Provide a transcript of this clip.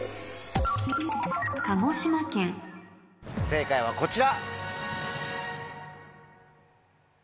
正解はこちら。